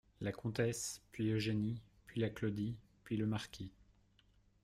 La Comtesse, puis Eugénie, puis la Claudie, puis le Marquis.